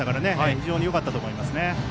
非常によかったと思います。